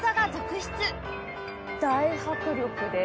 大迫力で。